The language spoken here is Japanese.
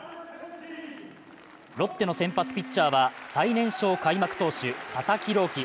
ロッテの先発ピッチャーは最年少開幕投手、佐々木朗希。